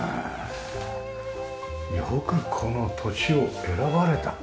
よくこの土地を選ばれた！